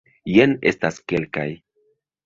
Jen estas kelkaj.